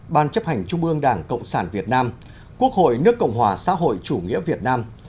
ban chấp hành trung ương đảng cộng sản việt nam quốc hội nước cộng hòa xã hội chủ nghĩa việt nam